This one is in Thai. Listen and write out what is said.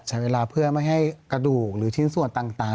ใช้เวลาเพื่อไม่ให้กระดูกหรือชิ้นส่วนต่าง